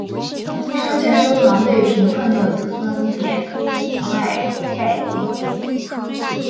生前收藏被贫困的子孙典卖殆尽。